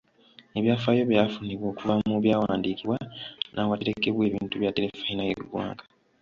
Ebyafaayo byafunibwa okuva mu byawandiikibwa n'ewaterekebwa ebintu bya terefayina y'eggwanga .